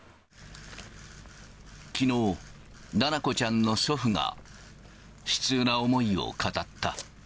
きのう、七菜子ちゃんの祖父が悲痛な思いを語った。